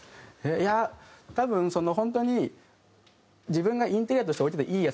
いや多分本当に自分がインテリアとして置いてていいやつがいいと思うんですよね。